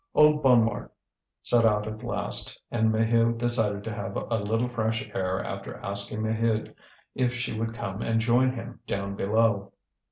Old Bonnemort set out at last, and Maheu decided to have a little fresh air after asking Maheude if she would come and join him down below.